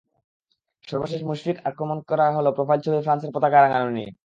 সর্বশেষ মুশফিককে আক্রমণ করা হলো প্রোফাইল ছবি ফ্রান্সের পতাকায় রাঙানো নিয়ে।